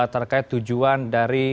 terkait tujuan dari